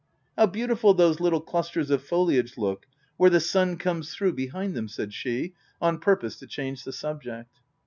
How beautiful those little clusters of foliage look, where the sun comes through behind them !" said she, on purpose to change the subject.